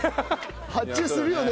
発注するよね。